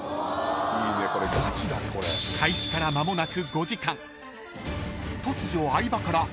［開始から間もなく５時間］